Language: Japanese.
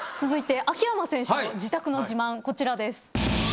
続いて秋山選手の自宅の自慢こちらです。